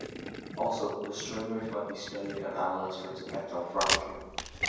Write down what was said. Also, the strain rate may be studied and analyzed for its effect on fracture.